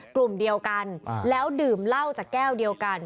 กลุ่มเดียวกันแล้วดื่มเหล้าจากแก้วเดียวกัน